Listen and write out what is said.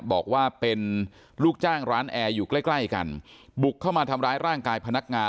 บอกว่าเป็นลูกจ้างร้านแอร์อยู่ใกล้ใกล้กันบุกเข้ามาทำร้ายร่างกายพนักงาน